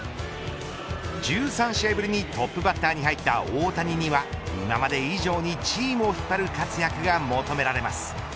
１３試合ぶりにトップバッターに入った大谷には今まで以上にチームを引っ張る活躍が求められます。